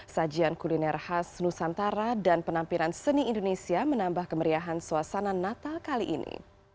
sajian kuliner khas nusantara dan penampilan seni indonesia menambah kemeriahan suasana natal kali ini